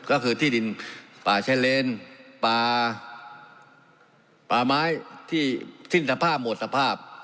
ก็คือที่ดินป่าชายเลนป่าป่าไม้ที่สิ้นสภาพหมดสภาพ